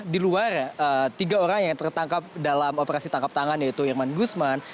di luar tiga orang yang tertangkap dalam operasi tangkap tangan yaitu irman gusman